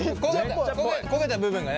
焦げた部分がね